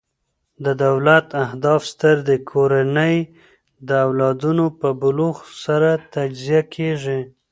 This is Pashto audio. د دولت اهداف ستر دي؛ کورنۍ د او لادونو په بلوغ سره تجزیه کیږي.